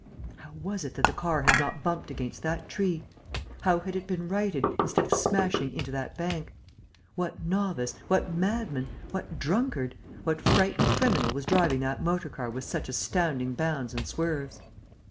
How was it that the car had not bumped against that tree? How had it been righted, instead of smashing into that bank? What novice, what madman, what drunkard, what frightened criminal was driving that motor car with such astounding bounds and swerves?